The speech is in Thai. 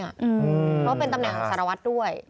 เพราะเป็นตำแหน่งสารวัตรด้วย